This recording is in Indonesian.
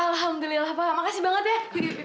alhamdulillah pak makasih banget ya